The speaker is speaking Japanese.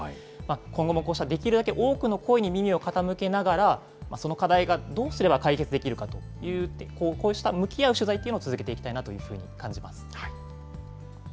今後もこうしたできるだけ多くの声に耳を傾けながら、その課題がどうすれば解決できるかという、こうした向き合う取材を続けていきたいなというふうに感じます。